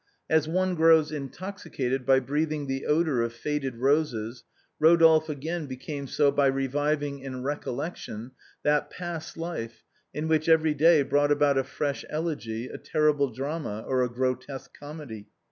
As one grows intoxicated by breathing the odor of faded roses, Eodolphe again became so by reviving in recollection that past life in which every day brought about a fresh elegy, a terrible drama, or a grotesque comedy.